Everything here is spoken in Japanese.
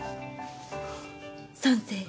賛成！